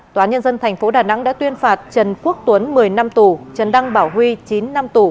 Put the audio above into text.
tòa nhân dân tp đà nẵng đã tuyên phạt trần quốc tuấn một mươi năm tù trần đăng bảo huy chín năm tù